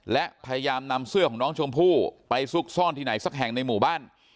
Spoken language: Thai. และพยายามนำเสื้อของน้องชมพู่ไปซุกซ่อนที่ไหนสักแห่งในหมู่บ้าน